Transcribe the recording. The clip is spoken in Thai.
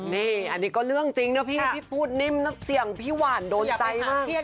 นี่อันนี้ก็เรื่องจริงนะพี่พี่พูดนิ่มนะเสี่ยงพี่หวานโดนใจมาก